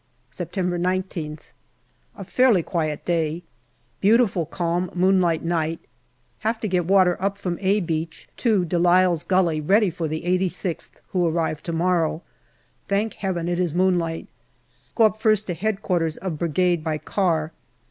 September I9th. A fairly quiet day. Beautiful calm moonlight night. Have to get water up from " A " Beach to De Lisle's Gully ready for the 86th, who arrive to morrow. Thank Heaven it is moonlight. Go up first to H.Q. of Brigade by car.